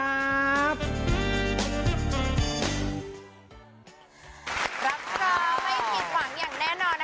รับจอไม่ผิดหวังอย่างแน่นอน